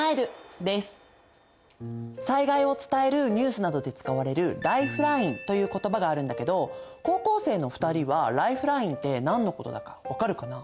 災害を伝えるニュースなどで使われるという言葉があるんだけど高校生の２人はライフラインって何のことだか分かるかな？